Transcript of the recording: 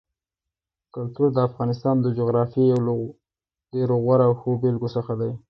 کلتور د افغانستان د جغرافیې یو له ډېرو غوره او ښو بېلګو څخه دی.